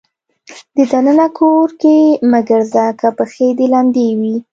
د ننه کور کې مه ګرځه که پښې دې لمدې وي.